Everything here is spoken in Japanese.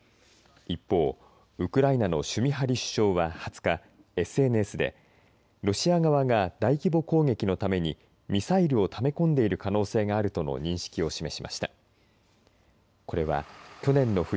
一方、ウクライナのシュミハリ首相は２０日ＳＮＳでロシア側が大規模攻撃のためにミサイルをため込んでいる可能性があるとの認識を示しました。